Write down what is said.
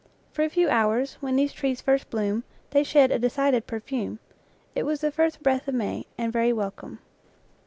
For a few hours, when these trees first bloom, they shed a decided perfume. It was the first breath of May, and very welcome.